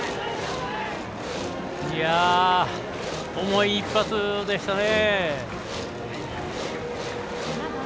重い一発でしたね。